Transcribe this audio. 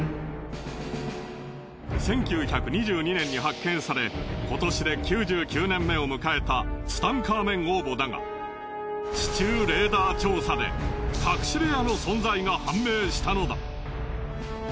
１９２２年に発見され今年で９９年目を迎えたツタンカーメン王墓だが地中レーダー調査で隠し部屋の存在が判明したのだ。